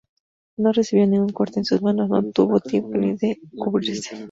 No recibió ningún corte en sus manos, no tuvo tiempo ni de cubrirse.